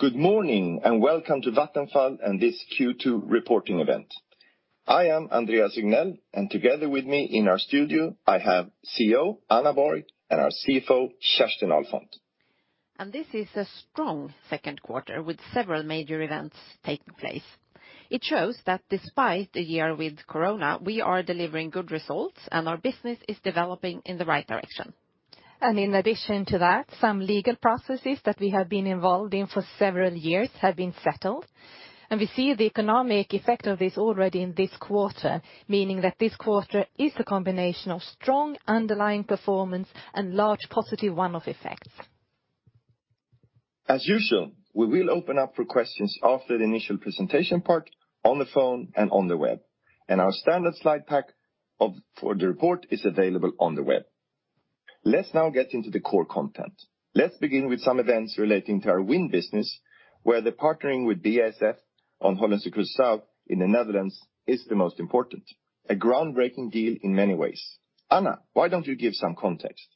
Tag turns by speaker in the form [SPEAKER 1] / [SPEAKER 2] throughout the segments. [SPEAKER 1] Good morning. Welcome to Vattenfall and this Q2 reporting event. I am Andreas Regnell. Together with me in our studio, I have CEO Anna Borg and our CFO, Kerstin Ahlfont.
[SPEAKER 2] This is a strong second quarter with several major events taking place. It shows that despite the year with COVID, we are delivering good results and our business is developing in the right direction. In addition to that, some legal processes that we have been involved in for several years have been settled, and we see the economic effect of this already in this quarter, meaning that this quarter is a combination of strong underlying performance and large positive one-off effects.
[SPEAKER 1] As usual, we will open up for questions after the initial presentation part on the phone and on the web, and our standard slide pack for the report is available on the web. Let's now get into the core content. Let's begin with some events relating to our wind business, where the partnering with BASF on Hollandse Kust Zuid in the Netherlands is the most important. A groundbreaking deal in many ways. Anna, why don't you give some context?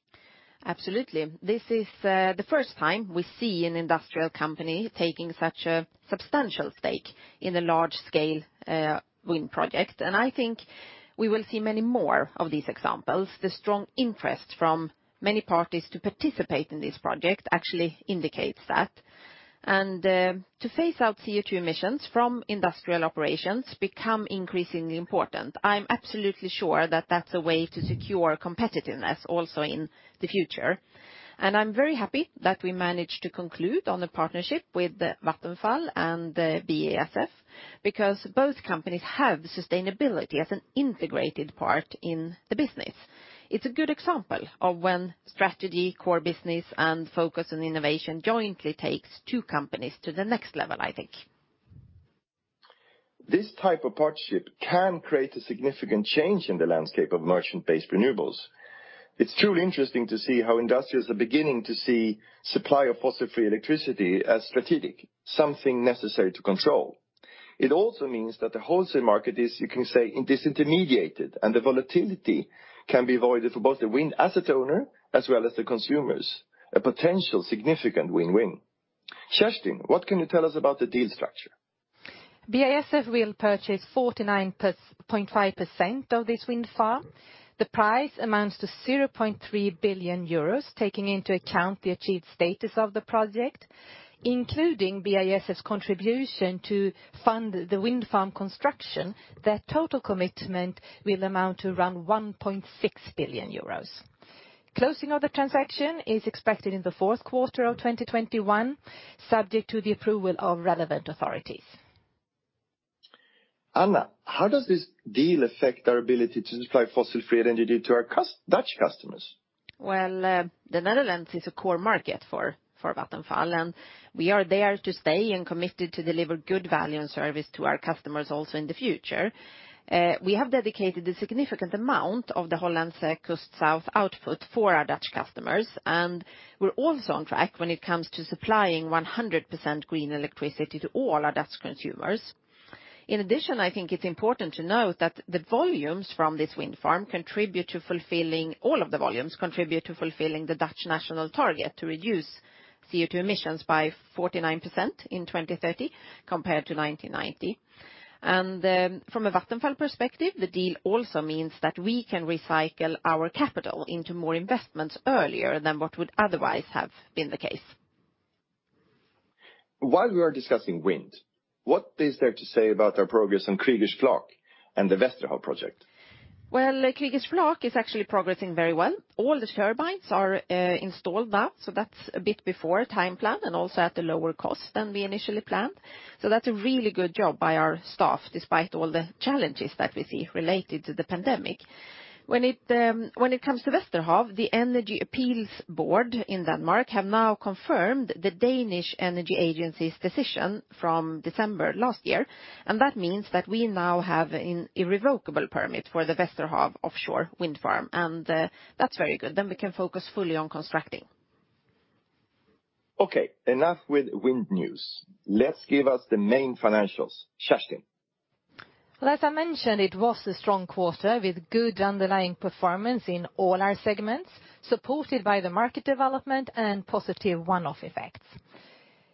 [SPEAKER 2] Absolutely. This is the first time we see an industrial company taking such a substantial stake in a large-scale wind project, and I think we will see many more of these examples. The strong interest from many parties to participate in this project actually indicates that. To phase out CO2 emissions from industrial operations become increasingly important. I'm absolutely sure that that's a way to secure competitiveness also in the future. I'm very happy that we managed to conclude on the partnership with Vattenfall and BASF, because both companies have sustainability as an integrated part in the business. It's a good example of when strategy, core business, and focus on innovation jointly takes two companies to the next level, I think.
[SPEAKER 1] This type of partnership can create a significant change in the landscape of merchant-based renewables. It's truly interesting to see how industrials are beginning to see supply of fossil-free electricity as strategic, something necessary to control. It also means that the wholesale market is, you can say, disintermediated, and the volatility can be avoided for both the wind asset owner as well as the consumers. A potential significant win-win. Kerstin, what can you tell us about the deal structure?
[SPEAKER 3] BASF will purchase 49.5% of this wind farm. The price amounts to 0.3 billion euros, taking into account the achieved status of the project. Including BASF's contribution to fund the wind farm construction, their total commitment will amount to around 1.6 billion euros. Closing of the transaction is expected in the fourth quarter of 2021, subject to the approval of relevant authorities.
[SPEAKER 1] Anna, how does this deal affect our ability to supply fossil-free energy to our Dutch customers?
[SPEAKER 2] Well, the Netherlands is a core market for Vattenfall, and we are there to stay and committed to deliver good value and service to our customers also in the future. We have dedicated a significant amount of the Hollandse Kust Zuid output for our Dutch customers, and we're also on track when it comes to supplying 100% green electricity to all our Dutch consumers. In addition, I think it's important to note that the volumes from this wind farm contribute to fulfilling all of the volumes, contribute to fulfilling the Dutch national target to reduce CO2 emissions by 49% in 2030 compared to 1990. From a Vattenfall perspective, the deal also means that we can recycle our capital into more investments earlier than what would otherwise have been the case.
[SPEAKER 1] While we are discussing wind, what is there to say about our progress on Kriegers Flak and the Vesterhav project?
[SPEAKER 2] Well, Kriegers Flak is actually progressing very well. All the turbines are installed now, so that's a bit before time plan and also at a lower cost than we initially planned. That's a really good job by our staff, despite all the challenges that we see related to the pandemic. When it comes to Vesterhav, the Energy Appeals Board in Denmark have now confirmed the Danish Energy Agency's decision from December last year, and that means that we now have an irrevocable permit for the Vesterhav offshore wind farm, and that's very good. We can focus fully on constructing.
[SPEAKER 1] Okay, enough with wind news. Let's give us the main financials. Kerstin.
[SPEAKER 3] As I mentioned, it was a strong quarter with good underlying performance in all our segments, supported by the market development and positive one-off effects.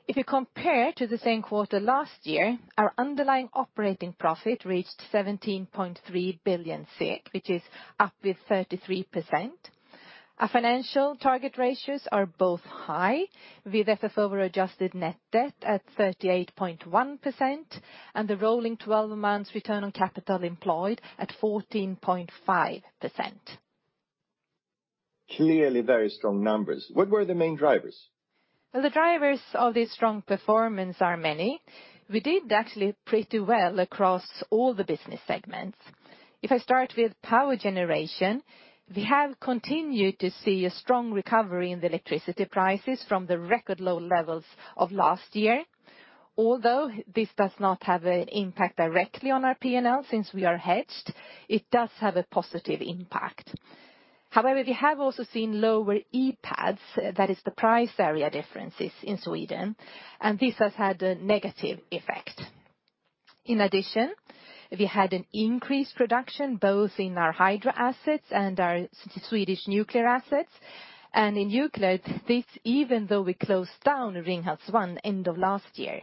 [SPEAKER 3] If you compare to the same quarter last year, our underlying operating profit reached 17.3 billion SEK, which is up with 33%. Our financial target ratios are both high, with FFO/adjusted net debt at 38.1% and the rolling 12 months return on capital employed at 14.5%.
[SPEAKER 1] Clearly very strong numbers. What were the main drivers?
[SPEAKER 3] Well, the drivers of this strong performance are many. We did actually pretty well across all the business segments. If I start with power generation, we have continued to see a strong recovery in the electricity prices from the record low levels of last year. Although this does not have an impact directly on our P&L since we are hedged, it does have a positive impact. However, we have also seen lower EPADs, that is the price area differences in Sweden, and this has had a negative effect. In addition, we had an increased production, both in our hydro assets and our Swedish nuclear assets. In nuclear, this even though we closed down Ringhals 1 end of last year.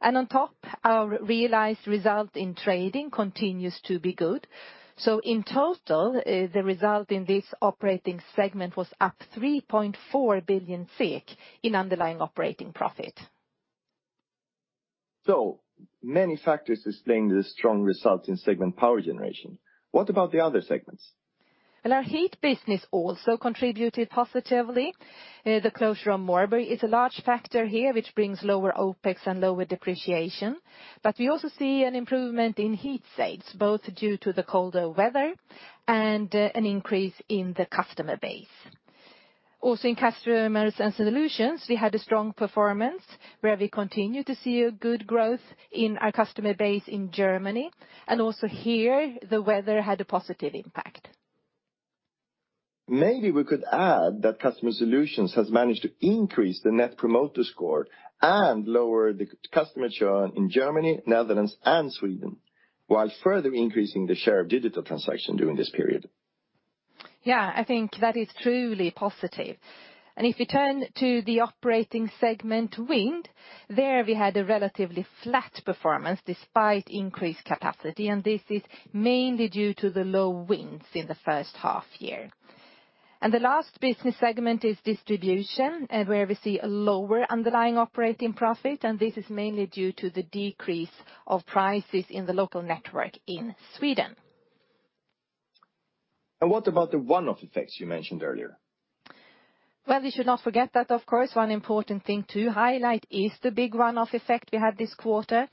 [SPEAKER 3] On top, our realized result in trading continues to be good. In total, the result in this operating segment was up 3.4 billion SEK in underlying operating profit.
[SPEAKER 1] Many factors explain the strong results in segment power generation. What about the other segments?
[SPEAKER 3] Well, our heat business also contributed positively. The closure of Moorburg is a large factor here, which brings lower OpEx and lower depreciation. We also see an improvement in heat sales, both due to the colder weather and an increase in the customer base. In customers and solutions, we had a strong performance where we continue to see a good growth in our customer base in Germany. Here, the weather had a positive impact.
[SPEAKER 1] Maybe we could add that customer solutions has managed to increase the net promoter score and lower the customer churn in Germany, Netherlands, and Sweden, while further increasing the share of digital transaction during this period.
[SPEAKER 3] Yeah, I think that is truly positive. If you turn to the operating segment wind, there we had a relatively flat performance despite increased capacity, and this is mainly due to the low winds in the first half year. The last business segment is distribution, where we see a lower underlying operating profit, and this is mainly due to the decrease of prices in the local network in Sweden.
[SPEAKER 1] What about the one-off effects you mentioned earlier?
[SPEAKER 3] We should not forget that, of course, one important thing to highlight is the big one-off effect we had this quarter,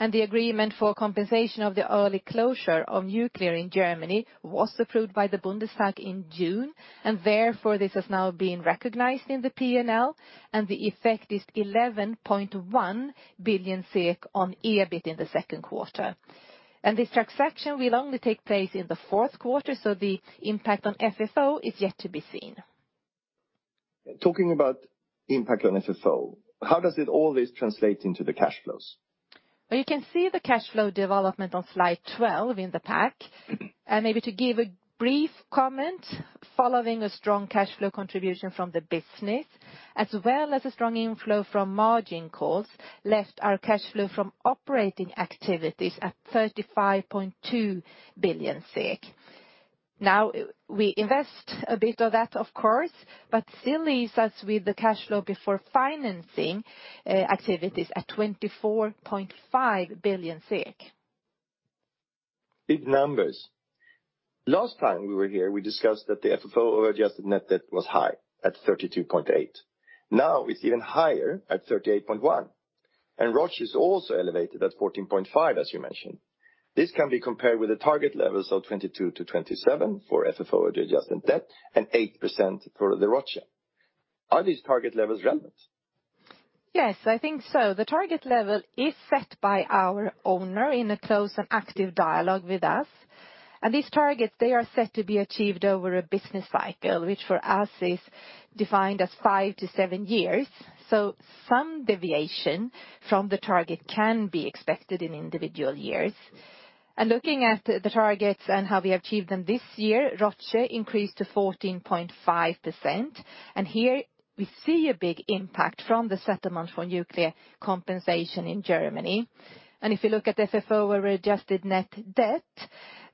[SPEAKER 3] and the agreement for compensation of the early closure of nuclear in Germany was approved by the Bundestag in June, and therefore, this has now been recognized in the P&L, and the effect is 11.1 billion SEK on EBIT in the second quarter. This transaction will only take place in the fourth quarter, so the impact on FFO is yet to be seen.
[SPEAKER 1] Talking about impact on FFO, how does all this translate into the cash flows?
[SPEAKER 3] Well, you can see the cash flow development on slide 12 in the pack. Maybe to give a brief comment, following a strong cash flow contribution from the business, as well as a strong inflow from margin calls, left our cash flow from operating activities at 35.2 billion SEK. Now, we invest a bit of that, of course, but still leaves us with the cash flow before financing activities at 24.5 billion SEK.
[SPEAKER 1] Big numbers. Last time we were here, we discussed that the FFO/adjusted net debt was high at 32.8. Now it's even higher at 38.1. ROCE is also elevated at 14.5, as you mentioned. This can be compared with the target levels of 22-27 for FFO-adjusted debt and 8% for the ROCE. Are these target levels relevant?
[SPEAKER 3] Yes, I think so. The target level is set by our owner in a close and active dialogue with us. These targets, they are set to be achieved over a business cycle, which for us is defined as 5-7 years. Some deviation from the target can be expected in individual years. Looking at the targets and how we achieved them this year, ROCE increased to 14.5%. Here we see a big impact from the settlement for nuclear compensation in Germany. If you look at the FFO/adjusted net debt,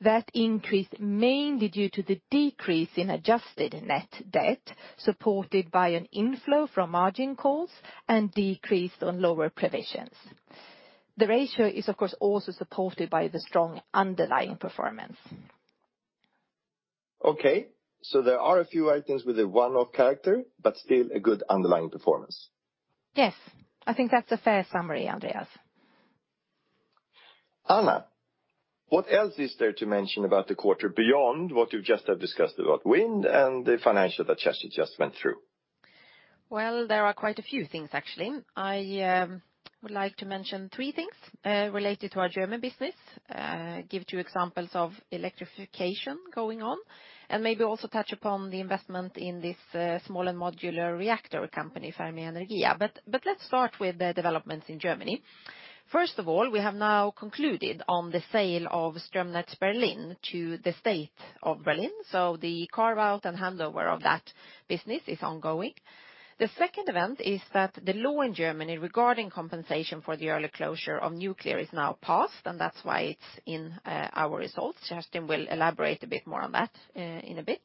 [SPEAKER 3] that increased mainly due to the decrease in adjusted net debt, supported by an inflow from margin calls and decreased on lower provisions. The ratio is, of course, also supported by the strong underlying performance.
[SPEAKER 1] Okay, there are a few items with a one-off character, but still a good underlying performance.
[SPEAKER 3] Yes. I think that's a fair summary, Andreas.
[SPEAKER 1] Anna, what else is there to mention about the quarter beyond what you just have discussed about wind and the financial that Kerstin just went through?
[SPEAKER 2] Well, there are quite a few things, actually. I would like to mention three things related to our German business, give two examples of electrification going on, and maybe also touch upon the investment in this small and modular reactor company, Fermi Energia. Let's start with the developments in Germany. First of all, we have now concluded on the sale of Stromnetz Berlin to the state of Berlin, so the carve-out and handover of that business is ongoing. The second event is that the law in Germany regarding compensation for the early closure of nuclear is now passed, and that's why it's in our results. Kerstin will elaborate a bit more on that in a bit.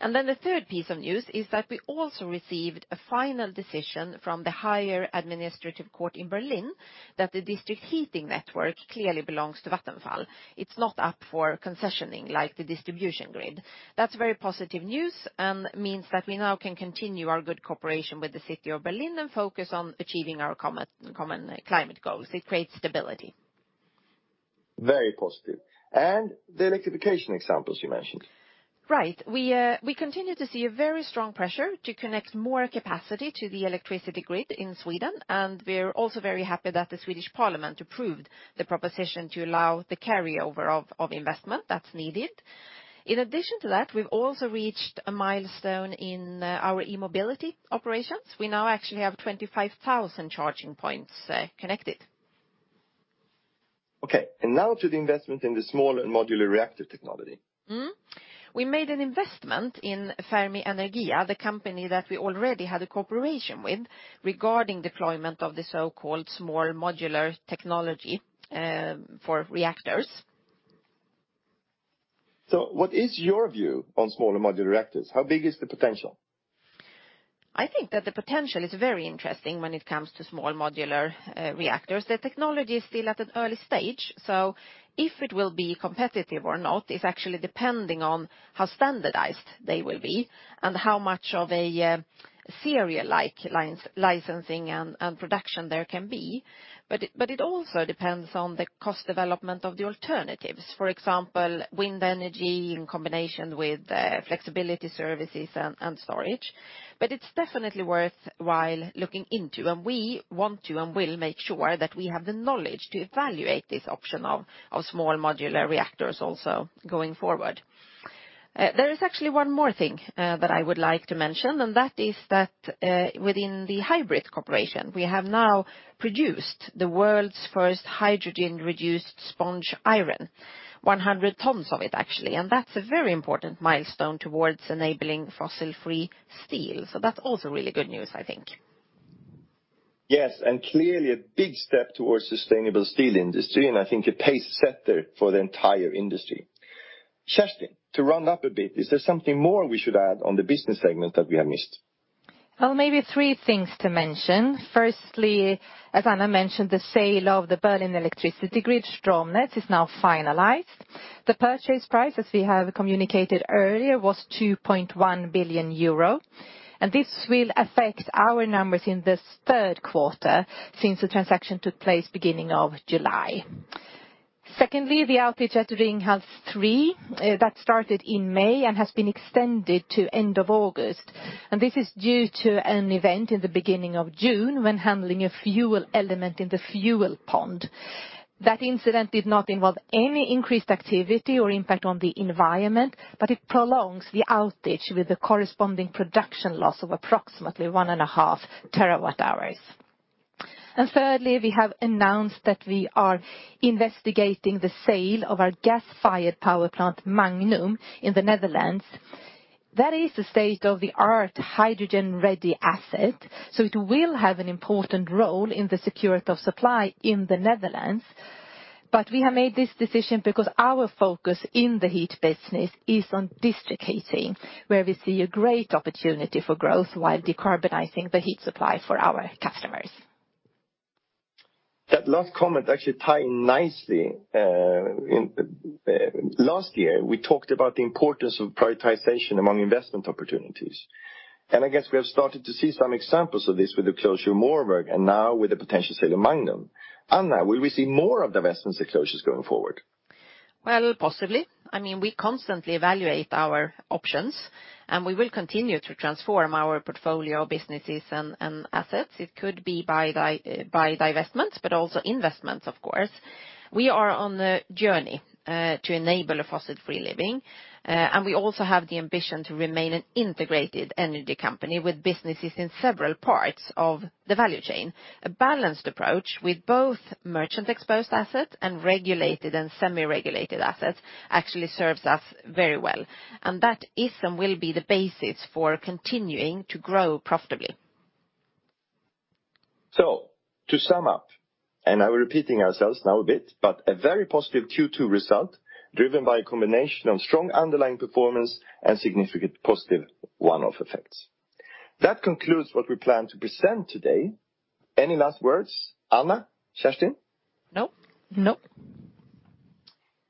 [SPEAKER 2] The third piece of news is that we also received a final decision from the Higher Administrative Court in Berlin that the district heating network clearly belongs to Vattenfall. It's not up for concessioning like the distribution grid. That's very positive news and means that we now can continue our good cooperation with the city of Berlin and focus on achieving our common climate goals. It creates stability.
[SPEAKER 1] Very positive. The electrification examples you mentioned.
[SPEAKER 2] Right. We continue to see a very strong pressure to connect more capacity to the electricity grid in Sweden, and we're also very happy that the Swedish parliament approved the proposition to allow the carryover of investment that's needed. In addition to that, we've also reached a milestone in our e-mobility operations. We now actually have 25,000 charging points connected.
[SPEAKER 1] Okay. Now to the investment in the small and modular reactor technology.
[SPEAKER 2] We made an investment in Fermi Energia, the company that we already had a cooperation with regarding deployment of the so-called small modular technology for reactors.
[SPEAKER 1] What is your view on small and modular reactors? How big is the potential?
[SPEAKER 2] I think that the potential is very interesting when it comes to small modular reactors. The technology is still at an early stage, so if it will be competitive or not is actually depending on how standardized they will be and how much of a serial-like licensing and production there can be. It also depends on the cost development of the alternatives. For example, wind energy in combination with flexibility services and storage. It's definitely worthwhile looking into, and we want to and will make sure that we have the knowledge to evaluate this option of small modular reactors also going forward. There is actually one more thing that I would like to mention, and that is that within the HYBRIT cooperation, we have now produced the world's first hydrogen-reduced sponge iron, 100 tons of it, actually. That's a very important milestone towards enabling fossil-free steel. That's also really good news, I think.
[SPEAKER 1] Yes, clearly a big step towards sustainable steel industry, and I think a pacesetter for the entire industry. Kerstin, to round up a bit, is there something more we should add on the business segment that we have missed?
[SPEAKER 3] Well, maybe three things to mention. Firstly, as Anna mentioned, the sale of the Berlin electricity grid, Stromnetz, is now finalized. The purchase price, as we have communicated earlier, was 2.1 billion euro. This will affect our numbers in this third quarter since the transaction took place beginning of July. Secondly, the outage at Ringhals 3 that started in May and has been extended to end of August, and this is due to an event in the beginning of June when handling a fuel element in the fuel pond. That incident did not involve any increased activity or impact on the environment, but it prolongs the outage with the corresponding production loss of approximately 1.5 TWh. Thirdly, we have announced that we are investigating the sale of our gas-fired power plant, Magnum, in the Netherlands. That is a state-of-the-art hydrogen-ready asset, so it will have an important role in the security of supply in the Netherlands. We have made this decision because our focus in the heat business is on district heating, where we see a great opportunity for growth while decarbonizing the heat supply for our customers.
[SPEAKER 1] That last comment actually tie in nicely. Last year, we talked about the importance of prioritization among investment opportunities. I guess we have started to see some examples of this with the closure of Moorburg and now with the potential sale of Magnum. Anna, will we see more of divestments and closures going forward?
[SPEAKER 2] Well, possibly. We constantly evaluate our options, and we will continue to transform our portfolio of businesses and assets. It could be by divestments, but also investments, of course. We are on the journey to enable a fossil-free living, and we also have the ambition to remain an integrated energy company with businesses in several parts of the value chain. A balanced approach with both merchant-exposed assets and regulated and semi-regulated assets actually serves us very well. That is and will be the basis for continuing to grow profitably.
[SPEAKER 1] To sum up, and we're repeating ourselves now a bit, but a very positive Q2 result, driven by a combination of strong underlying performance and significant positive one-off effects. That concludes what we plan to present today. Any last words, Anna, Kerstin Ahlfont?
[SPEAKER 2] Nope.
[SPEAKER 3] Nope.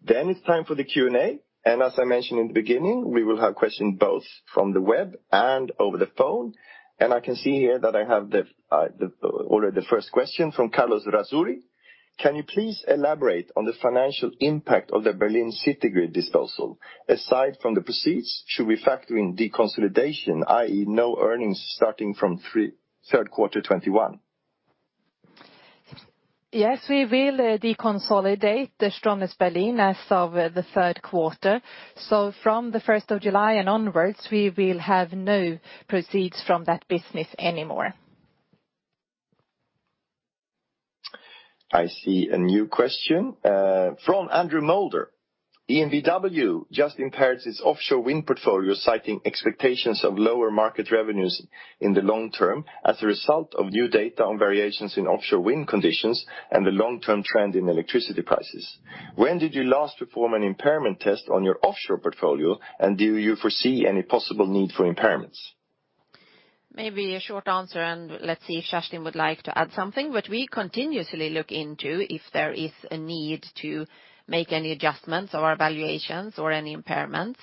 [SPEAKER 1] It's time for the Q&A. As I mentioned in the beginning, we will have questions both from the web and over the phone. I can see here that I have already the first question from Carlos Razuri. Can you please elaborate on the financial impact of the Berlin city grid disposal? Aside from the proceeds, should we factor in deconsolidation, i.e. no earnings starting from third quarter 2021?
[SPEAKER 2] Yes, we will deconsolidate the Stromnetz Berlin as of the third quarter. From the 1st of July and onwards, we will have no proceeds from that business anymore.
[SPEAKER 1] I see a new question from Andrew Moulder. EnBW just impaired its offshore wind portfolio, citing expectations of lower market revenues in the long term as a result of new data on variations in offshore wind conditions and the long-term trend in electricity prices. When did you last perform an impairment test on your offshore portfolio, and do you foresee any possible need for impairments?
[SPEAKER 2] Maybe a short answer. Let's see if Kerstin Ahlfont would like to add something. We continuously look into if there is a need to make any adjustments or evaluations or any impairments.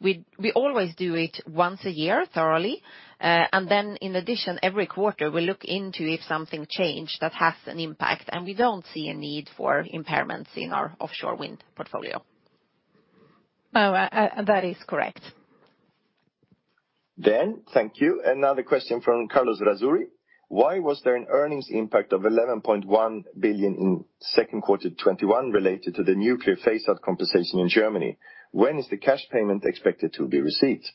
[SPEAKER 2] We always do it once a year thoroughly. In addition, every quarter, we look into if something changed that has an impact. We don't see a need for impairments in our offshore wind portfolio.
[SPEAKER 3] That is correct.
[SPEAKER 1] Thank you. Another question from Carlos Razuri. Why was there an earnings impact of 11.1 billion in second quarter 2021 related to the nuclear phase-out compensation in Germany? When is the cash payment expected to be received?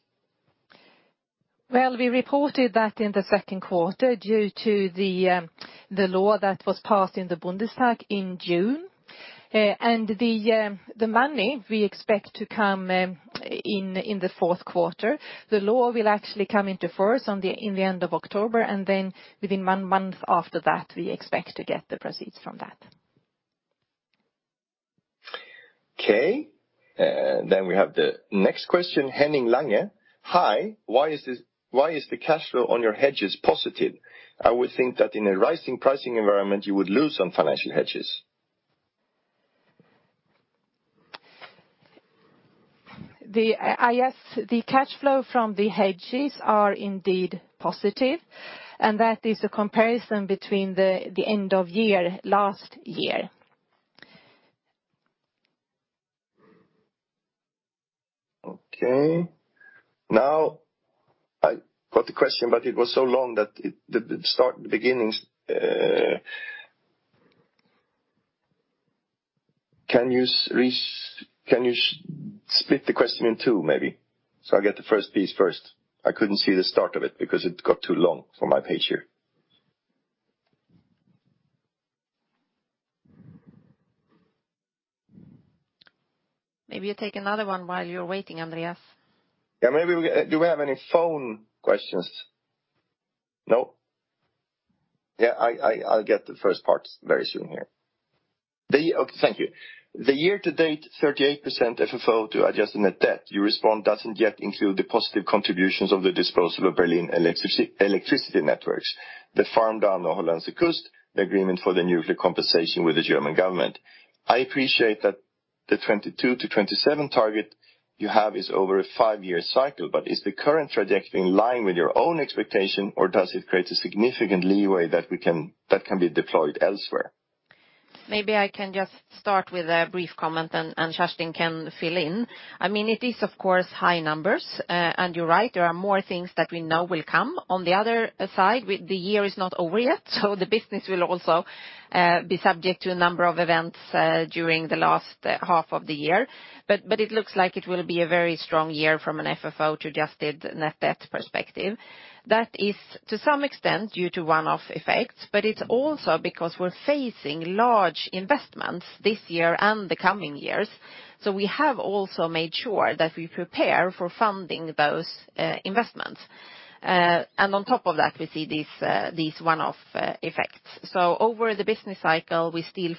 [SPEAKER 2] Well, we reported that in the second quarter, due to the law that was passed in the Bundestag in June. The money we expect to come in the fourth quarter. The law will actually come into force in the end of October, and then within one month after that, we expect to get the proceeds from that.
[SPEAKER 1] Okay. We have the next question, Henning Lange. Hi. Why is the cash flow on your hedges positive? I would think that in a rising pricing environment, you would lose on financial hedges.
[SPEAKER 2] Yes, the cash flow from the hedges are indeed positive, and that is a comparison between the end of year, last year.
[SPEAKER 1] Okay. I got the question, it was so long. Can you split the question in two, maybe, so I get the first piece first? I couldn't see the start of it because it got too long for my page here.
[SPEAKER 2] Maybe you take another one while you're waiting, Andreas.
[SPEAKER 1] Yeah. Do we have any phone questions? No. Yeah, I'll get the first part very soon here. Okay, thank you. The year to date, 38% FFO/adjusted net debt, you respond, doesn't yet include the positive contributions of the disposal of Berlin Electricity Networks, the farm down the Hollandse Kust Zuid, the agreement for the nuclear compensation with the German government. I appreciate that the 2022-2027 target you have is over a five-year cycle, is the current trajectory in line with your own expectation, or does it create a significant leeway that can be deployed elsewhere?
[SPEAKER 2] Maybe I can just start with a brief comment, and Kerstin can fill in. It is, of course, high numbers. You're right, there are more things that we know will come. On the other side, the year is not over yet, so the business will also be subject to a number of events during the last half of the year. It looks like it will be a very strong year from an FFO/adjusted net debt perspective. That is, to some extent, due to one-off effects, but it's also because we're facing large investments this year and the coming years. We have also made sure that we prepare for funding those investments. On top of that, we see these one-off effects. Over the business cycle, we still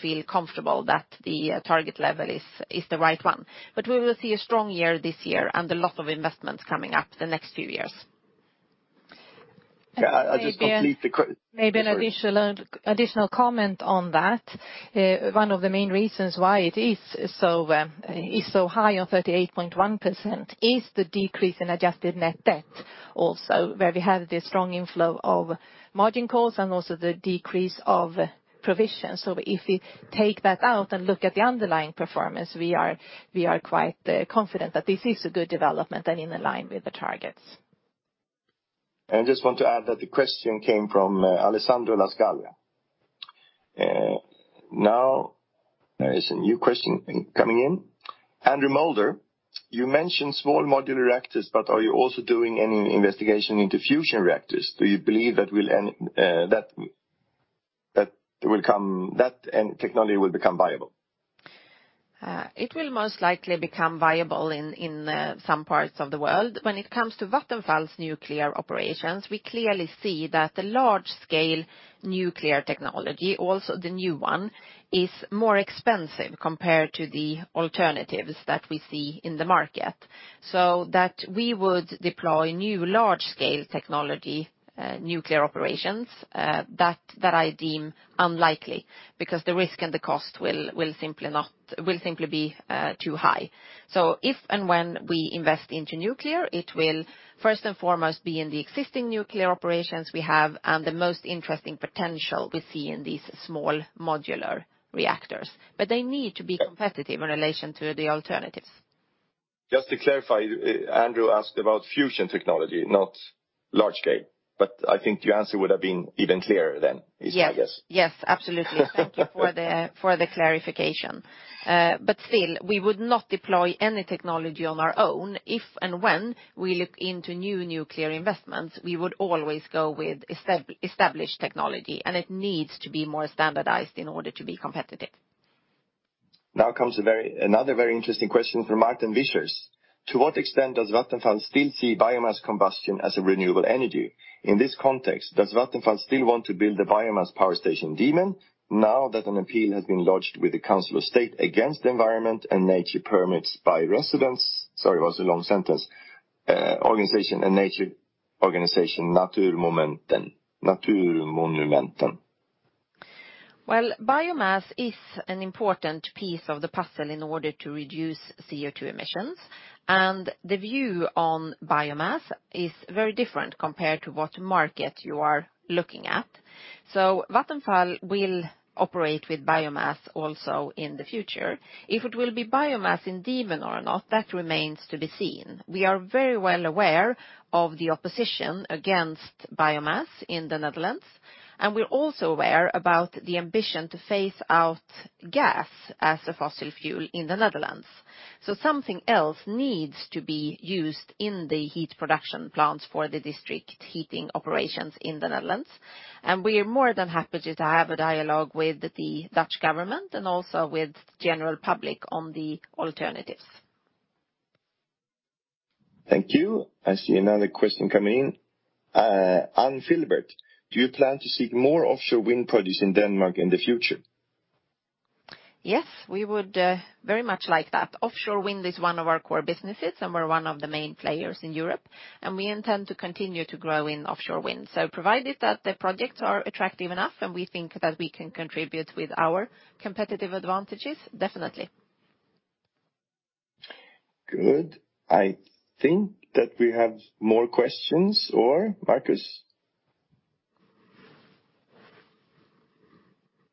[SPEAKER 2] feel comfortable that the target level is the right one. We will see a strong year this year and a lot of investments coming up the next few years.
[SPEAKER 1] Yeah, I'll just complete.
[SPEAKER 3] Maybe an additional comment on that. One of the main reasons why it is so high on 38.1% is the decrease in adjusted net debt, also where we have the strong inflow of margin calls and also the decrease of provisions. If we take that out and look at the underlying performance, we are quite confident that this is a good development and in line with the targets.
[SPEAKER 1] I just want to add that the question came from Alessandro La Scalia. Now there is a new question coming in. Andrew Moulder. You mentioned small modular reactors, but are you also doing any investigation into fusion reactors? Do you believe that technology will become viable?
[SPEAKER 2] It will most likely become viable in some parts of the world. When it comes to Vattenfall's nuclear operations, we clearly see that the large-scale nuclear technology, also the new one, is more expensive compared to the alternatives that we see in the market. That we would deploy new large-scale technology, nuclear operations, that I deem unlikely because the risk and the cost will simply be too high. If and when we invest into nuclear, it will first and foremost be in the existing nuclear operations we have and the most interesting potential we see in these small modular reactors. They need to be competitive in relation to the alternatives.
[SPEAKER 1] Just to clarify, Andrew asked about fusion technology, not large scale. I think your answer would have been even clearer then, is my guess.
[SPEAKER 2] Yes, absolutely. Thank you for the clarification. Still, we would not deploy any technology on our own. If and when we look into new nuclear investments, we would always go with established technology, and it needs to be more standardized in order to be competitive.
[SPEAKER 1] Now comes another very interesting question from Martien Visser. To what extent does Vattenfall still see biomass combustion as a renewable energy? In this context, does Vattenfall still want to build a biomass power station, Diemen, now that an appeal has been lodged with the Council of State against environment and nature permits by residents, sorry, it was a long sentence, organization and nature organization, Natuurmonumenten?
[SPEAKER 2] Biomass is an important piece of the puzzle in order to reduce CO2 emissions. The view on biomass is very different compared to what market you are looking at. Vattenfall will operate with biomass also in the future. If it will be biomass in Diemen or not, that remains to be seen. We are very well aware of the opposition against biomass in the Netherlands, and we're also aware about the ambition to phase out gas as a fossil fuel in the Netherlands. Something else needs to be used in the heat production plants for the district heating operations in the Netherlands. We are more than happy to have a dialogue with the Dutch government and also with general public on the alternatives.
[SPEAKER 1] Thank you. I see another question coming in. Anne Filbert, "Do you plan to seek more offshore wind projects in Denmark in the future?
[SPEAKER 2] Yes, we would very much like that. Offshore wind is one of our core businesses, and we're one of the main players in Europe, and we intend to continue to grow in offshore wind. Provided that the projects are attractive enough and we think that we can contribute with our competitive advantages, definitely.
[SPEAKER 1] Good. I think that we have more questions, or Marcus?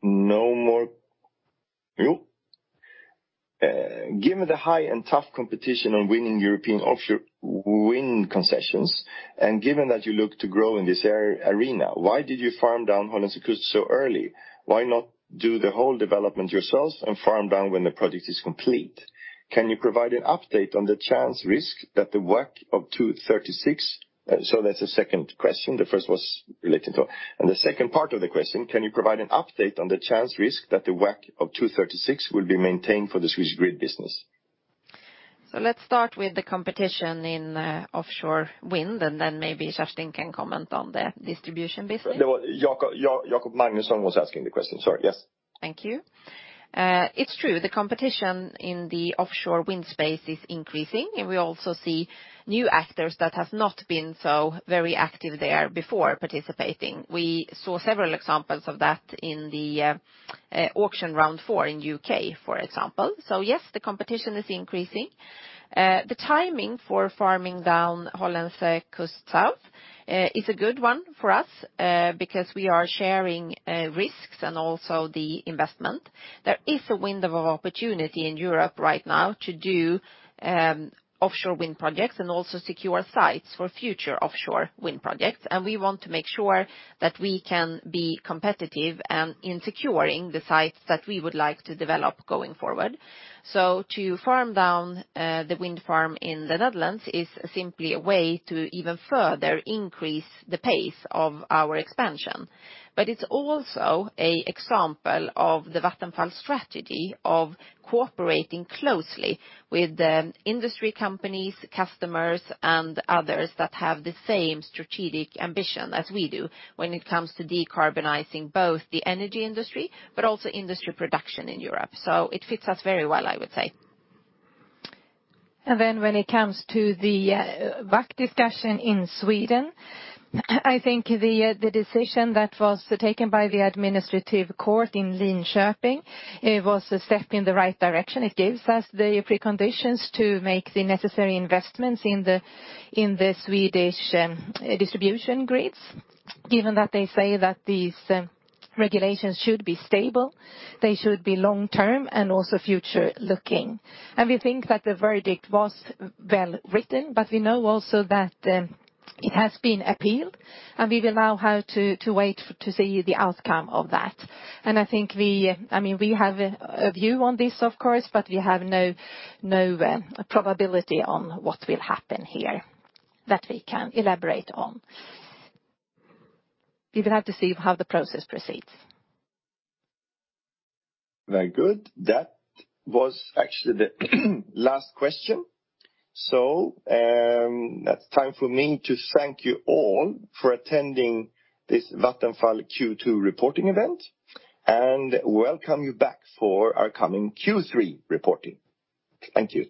[SPEAKER 1] No more. Yep. Given the high and tough competition on winning European offshore wind concessions, and given that you look to grow in this arena, why did you farm down Hollandse Kust Zuid so early? Why not do the whole development yourselves and farm down when the project is complete? That's the second question. The second part of the question, "Can you provide an update on the chance risk that the WACC of 2.36% will be maintained for the Swedish grid business?
[SPEAKER 2] Let's start with the competition in offshore wind, and then maybe Kerstin can comment on the distribution business.
[SPEAKER 1] Jakob Magnussen was asking the question. Sorry. Yes.
[SPEAKER 2] Thank you. It's true, the competition in the offshore wind space is increasing, and we also see new actors that have not been so very active there before participating. We saw several examples of that in the auction round four in U.K., for example. Yes, the competition is increasing. The timing for farming down Hollandse Kust Zuid is a good one for us because we are sharing risks and also the investment. There is a window of opportunity in Europe right now to do offshore wind projects and also secure sites for future offshore wind projects. We want to make sure that we can be competitive in securing the sites that we would like to develop going forward. To farm down the wind farm in the Netherlands is simply a way to even further increase the pace of our expansion. It's also an example of the Vattenfall strategy of cooperating closely with industry companies, customers, and others that have the same strategic ambition as we do when it comes to decarbonizing both the energy industry, but also industry production in Europe. It fits us very well, I would say.
[SPEAKER 3] When it comes to the WACC discussion in Sweden, I think the decision that was taken by the administrative court in Linköping, it was a step in the right direction. It gives us the preconditions to make the necessary investments in the Swedish distribution grids, given that they say that these regulations should be stable, they should be long-term and also future-looking. We think that the verdict was well-written, but we know also that it has been appealed, and we will now have to wait to see the outcome of that. I think we have a view on this, of course, but we have no probability on what will happen here that we can elaborate on. We will have to see how the process proceeds.
[SPEAKER 1] Very good. That was actually the last question. That's time for me to thank you all for attending this Vattenfall Q2 reporting event, and welcome you back for our coming Q3 reporting. Thank you.